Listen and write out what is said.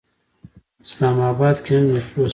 اسلام اباد کې هم میټرو شته.